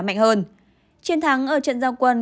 mạnh hơn chiến thắng ở trận giao quân